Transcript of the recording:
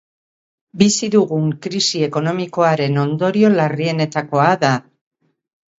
Bizi dugun krisi ekonomikoaren ondorio larrienetakoa da.